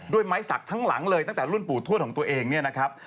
ด้วยไม้สักทั้งหลังเลยตั้งแต่รุ่นปู่ทวดของตัวเองเนี่ยนะครับ